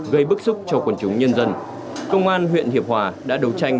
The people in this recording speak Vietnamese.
gây bức xúc cho quần chúng nhân dân công an huyện hiệp hòa đã đấu tranh